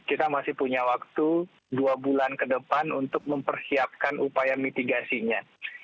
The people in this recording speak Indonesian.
kita masih punya waktu dua bulan ke depan untuk mempersiapkan upaya mitigasinya